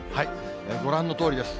ご覧のとおりです。